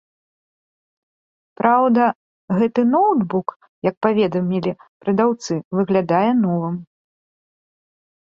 Праўда, гэты ноўтбук, як паведамілі прадаўцы, выглядае новым.